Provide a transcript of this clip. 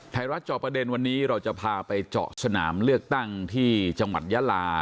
เจาะประเด็นวันนี้เราจะพาไปเจาะสนามเลือกตั้งที่จังหวัดยาลา